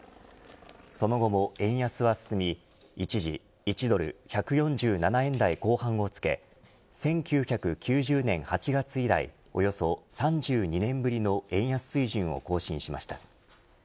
その後も円安は進み一時１ドル１４７円台後半をつけ１９９０年８月以来およそ３２年ぶりの円安水準を更新しました。